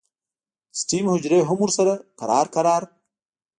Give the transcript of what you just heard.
سټیم حجرې هم ورسره کرار کرار